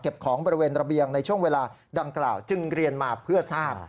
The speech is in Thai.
ของบริเวณระเบียงในช่วงเวลาดังกล่าวจึงเรียนมาเพื่อทราบ